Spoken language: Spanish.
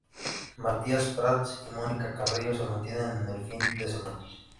Matías Prats y Mónica Carrillo se mantienen en el fin de semana.